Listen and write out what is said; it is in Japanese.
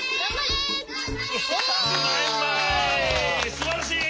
すばらしい！